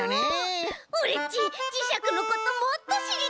オレっちじしゃくのこともっとしりたい！